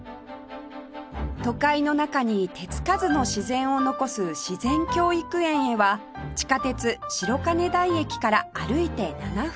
都会の中に手つかずの自然を残す自然教育園へは地下鉄白金台駅から歩いて７分ほど